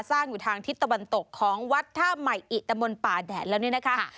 สร้างอยู่ทางทิศตะวันตกของวัดท่าใหม่อิตะมนต์ป่าแดดแล้วนี่นะคะ